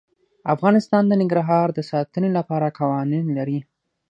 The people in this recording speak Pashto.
افغانستان د ننګرهار د ساتنې لپاره قوانین لري.